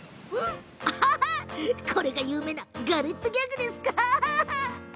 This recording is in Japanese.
これが有名なガレットギャグですか？